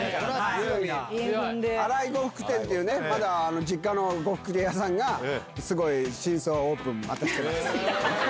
荒井呉服店っていうね、実家の呉服店屋さんがすごい新装オープン、またしてます。